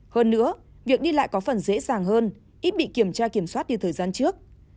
hơn nữa việc đi lại có phần dễ dàng hơn ít bị kiểm tra kiểm soát như thời gian trước